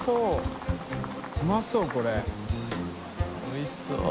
おいしそう。